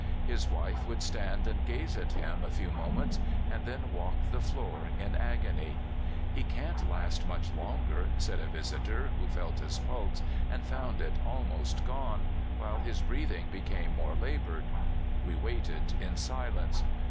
His wife would stand and gaze at him a few mo ments, and then walk the floor in agony. " He can't last much longer," said a visitor, who felt his pulse and found it almost gone, while his breathing became more labored. We waited in silence.